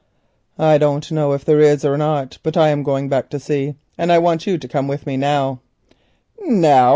"I don't know if there is or not, but I'm going back to see, and I want you to come with me." "Now?"